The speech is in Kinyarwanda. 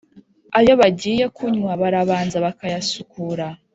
ayo bagiye kunywa barabanza bakayasukura